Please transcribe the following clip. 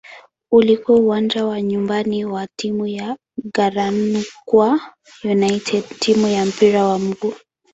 Ulikuwa uwanja wa nyumbani wa timu ya "Garankuwa United" timu ya mpira wa miguu.